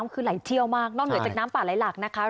คือไหลเที่ยวมากนอกเหนือจากน้ำป่าไหลหลักนะคะ